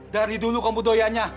dari dulu kamu doyanya